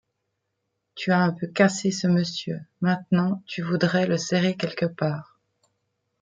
Tu as un peu cassé ce monsieur ; maintenant tu voudrais le serrer quelque part.